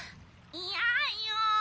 いやよ！